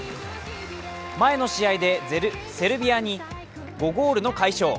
前の試合でセルビアに５ゴールの快勝。